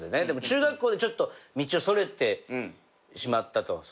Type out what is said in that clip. でも中学校でちょっと道をそれてしまったと。